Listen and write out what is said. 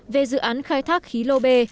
về dự án khai thác khí lô bê